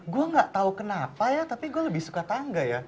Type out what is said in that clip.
gue gak tau kenapa ya tapi gue lebih suka tangga ya